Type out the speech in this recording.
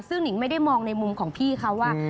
ซึ่งหนิงไม่ได้มองในมุมของพี่เขาว่า